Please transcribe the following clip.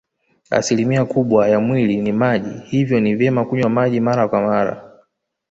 Asilimia kubwa ya mwili ni maji hivyo ni vyema kunywa maji mara kwa mara